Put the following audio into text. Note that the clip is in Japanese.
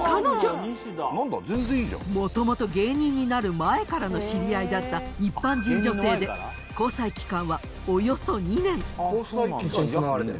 元々芸人になる前からの知り合いだった一般人女性で交際期間はおよそ２年。